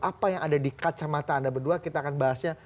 apa yang ada di kacamata anda berdua kita akan bahasnya